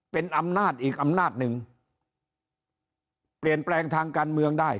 เป็นอำนาจอีกอำนาจหนึ่งเปลี่ยนแปลงทางการเมืองได้